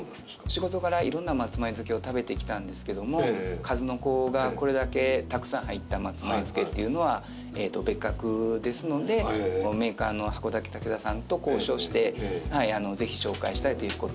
仕事柄色んな松前漬けを食べてきたんですけども数の子がこれだけたくさん入った松前漬けっていうのは別格ですのでメーカーの函館竹田さんと交渉してぜひ紹介したいという事で。